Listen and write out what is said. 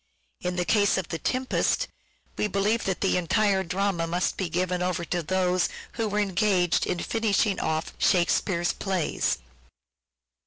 In the case of " The Tempest " we believe that the entire drama must be given over to those who were engaged in finishing off " Shakespeare's " plays.